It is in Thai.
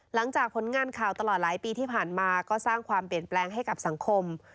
หลังจากผลงานข่าวตลอดหลายปีที่ผ่านมาก็สร้างความเปลี่ยนแปลงให้กับสังคม